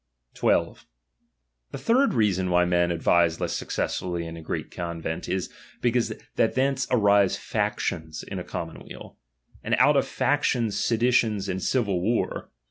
12. The third reason why men advise less suc cessfully in a great convent is, because that thence a.Ti'&e factions in a commonweal; and out olfac tions, seditions and civil war.